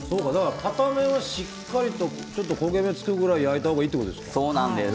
片面しっかりと焦げ目がつくぐらい焼いた方がいいということですか？